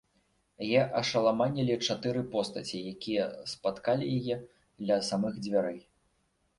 Яе ашаламанілі чатыры постаці, якія спаткалі яе ля самых дзвярэй.